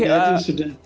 terima kasih sudah